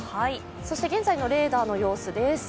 現在のレーダーの様子です。